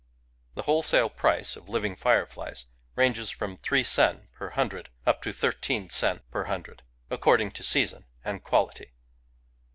The wholesale price of living fireflies ranges from three sen per hundred up to thirteen sen per Digitized by Googk 148 FIREFLIES hundred, according to season and quality.